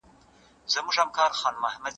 تاسو د ميرمني سره نفرت مه کوئ.